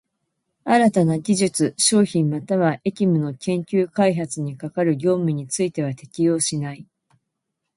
新たな技術、商品又は役務の研究開発に係る業務については適用しない。